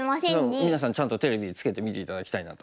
うんみなさんちゃんとテレビつけて見て頂きたいなと。